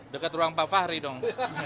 dekat ruang pak fahri dong